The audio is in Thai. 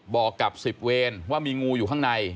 บอกกับ๑๐เวรว่ามีงูอยู่ข้างใน